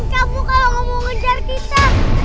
kamu kalau nggak mau ngejar kita